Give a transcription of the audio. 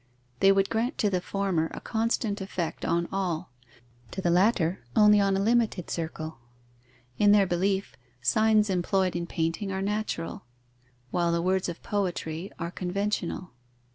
They would grant to the former a constant effect on all; to the latter, only on a limited circle. In their belief, signs employed in painting are natural, while the words of poetry are conventional.